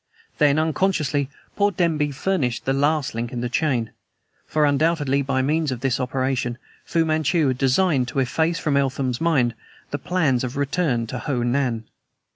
Then, unconsciously, poor Denby furnished the last link in the chain; for undoubtedly, by means of this operation, Fu Manchu had designed to efface from Eltham's mind his plans of return to Ho Nan.